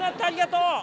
ありがとう。